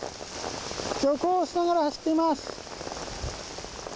徐行しながら走っています。